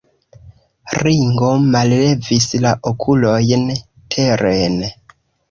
Ringo mallevis la okulojn teren.